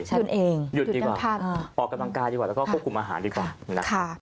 กินเองหยุดดีกว่าออกกำลังกายดีกว่าแล้วก็ควบคุมอาหารดีกว่านะคะ